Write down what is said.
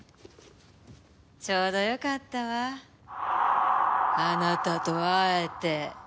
ちょうどよかったわあなたと会えて。